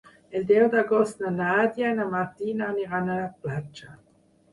El deu d'agost na Nàdia i na Martina aniran a la platja.